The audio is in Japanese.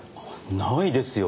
ないですよ。